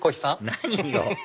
何よ？